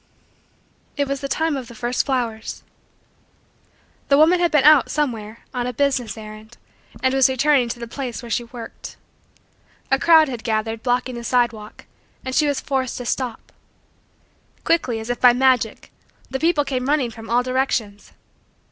It was the time of the first flowers. The woman had been out, somewhere, on a business errand and was returning to the place where she worked. A crowd had gathered, blocking the sidewalk, and she was forced to stop. Quickly, as if by magic, the people came running from all directions.